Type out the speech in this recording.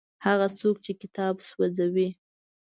هغه څوک چې کتاب سوځوي.